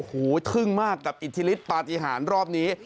ทึ่งมากกับอิทธิฤทธิปฏิหารรอบนี้